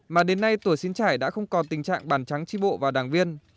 mà đến nay tổ xin trải đã không còn tình trạng bản trắng tri bộ và đảng viên